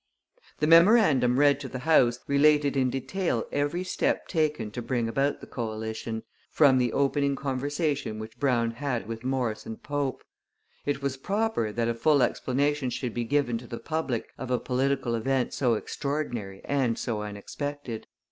The memorandum read to the House related in detail every step taken to bring about the coalition, from the opening conversation which Brown had with Morris and Pope. It was proper that a full explanation should be given to the public of a political event so extraordinary and so unexpected.